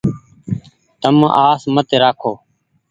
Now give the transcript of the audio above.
تم آس مت رآکو ۔